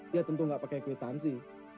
dia tentu nggak pakai kwitansi